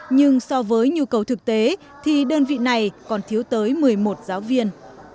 nhưng so với nhu cầu thực tế thì đơn vị này còn thiếu tới một mươi một giáo viên